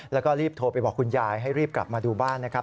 แล้วก็รีบโทรไปบอกคุณยายให้รีบกลับมาดูบ้านนะครับ